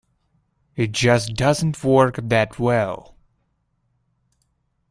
It just doesn't work that well.